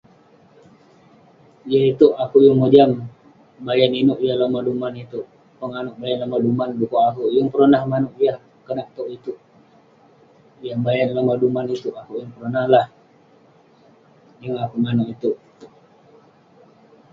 Jah itouk akouk yeng mojam. Bayan inouk yah lomah duman itouk, penganouk bayan lomah duman. Dekuk akouk yeng peronah manouk yah konak tog itouk. Yah bayan lomah duman itouk akouk yeng peronah lah. Yeng akouk manouk itouk.